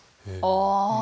ああ。